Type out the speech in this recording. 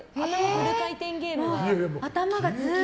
フル回転ゲームが。